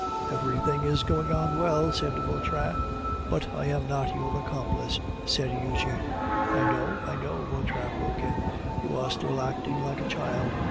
"Everything is going on well," said Vautrin. "But I am not your accomplice," said Eugene. "I know, I know," Vautrin broke in. "You are still acting like a child.